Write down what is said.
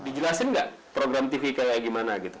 dijelasin nggak program tv kayak gimana gitu